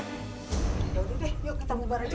udah udah deh yuk kita bu bar aja